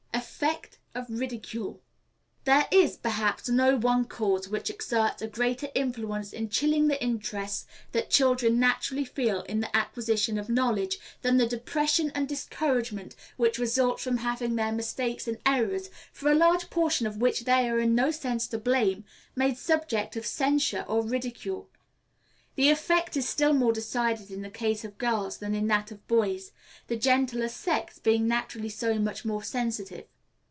Effect of Ridicule. There is, perhaps, no one cause which exerts a greater influence in chilling the interest that children naturally feel in the acquisition of knowledge, than the depression and discouragement which result from having their mistakes and errors for a large portion of which they are in no sense to blame made subjects of censure or ridicule. The effect is still more decided in the case of girls than in that of boys, the gentler sex being naturally so much more sensitive.